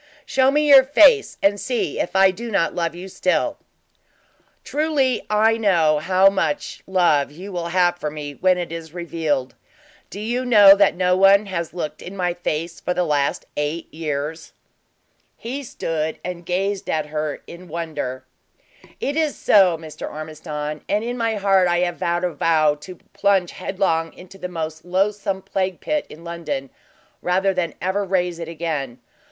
Show me your face and see if I do not love you still!" "Truly I know how much love you will have for me when it is revealed. Do you know that no one has looked in my face for the last eight years." He stood and gazed at her in wonder. "It is so, Mr. Ormiston; and in my heart I have vowed a vow to plunge headlong into the most loathsome plague pit in London, rather than ever raise it again.